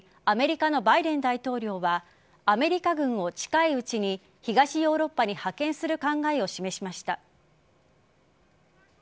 アメリカのバイデン大統領はアメリカ軍を近いうちに東ヨーロッパに派遣する考えを示しました。